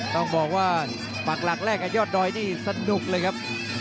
ต้องบอกว่าปักหลักแรกกับยอดดอยนี่สนุกเลยครับ